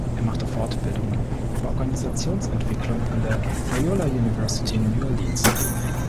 Er machte Fortbildungen über Organisationsentwicklung an der "Loyola University New Orleans".